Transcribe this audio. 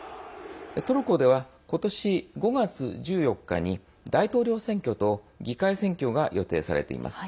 トルコでは、今年５月１４日に大統領選挙と議会選挙が予定されています。